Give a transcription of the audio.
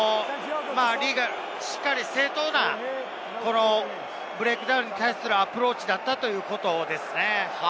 しっかり正当なブレイクダウンに対するアプローチだったということですね。